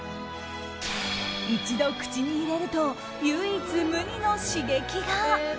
一度、口に入れると唯一無二の刺激が。